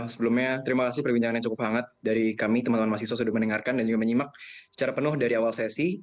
sebelumnya terima kasih perbincangan yang cukup hangat dari kami teman teman mahasiswa sudah mendengarkan dan juga menyimak secara penuh dari awal sesi